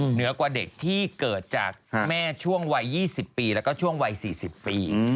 เหนือกว่าเด็กที่เกิดจากแม่ช่วงวัย๒๐ปีแล้วก็ช่วงวัย๔๐ปี